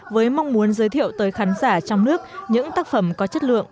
với mong muốn giới thiệu tới khán giả trong nước những tác phẩm có chất lượng